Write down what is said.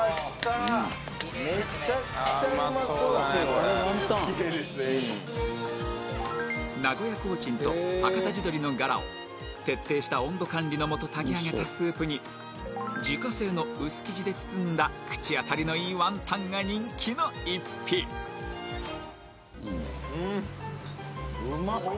これきれいですね名古屋コーチンとはかた地どりのガラを徹底した温度管理のもと炊き上げたスープに自家製の薄生地で包んだ口当たりのいいワンタンが人気の一品うんうまっ